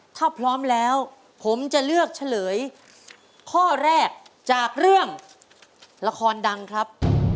ถ้าพร้อมแล้วผมจะเลือกเฉลยข้อแรกจากเรื่องละครดังครับ